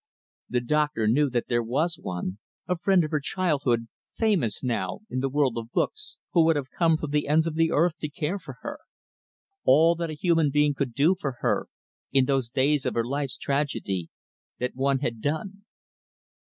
The doctor knew that there was one a friend of her childhood, famous, now, in the world of books who would have come from the ends of the earth to care for her. All that a human being could do for her, in those days of her life's tragedy, that one had done.